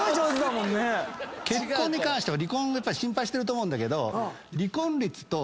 結婚に関しては離婚を心配してると思うんだけど。